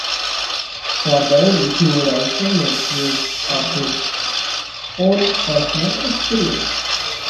For the end he could also make use of his own personal experience.